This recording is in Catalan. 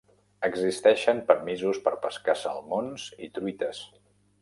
Existeixen permisos per pescar salmons i truites.